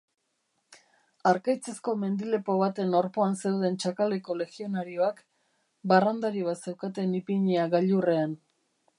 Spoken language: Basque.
Harkaitzezko mendilepo baten orpoan zeuden Chacaleko legionarioak, barrandari bat zeukaten ipinia gailurrean.